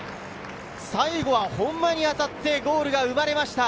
最後は本間に当たってゴールが生まれました。